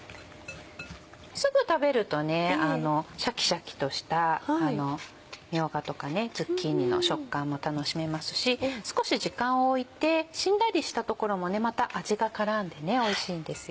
すぐ食べるとシャキシャキとしたみょうがとかズッキーニの食感も楽しめますし少し時間をおいてしんなりした所もまた味が絡んでおいしいんですよ。